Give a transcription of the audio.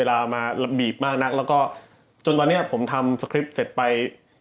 แล้วจนตอนนี้ผมทำสคริปต์เสร็จไป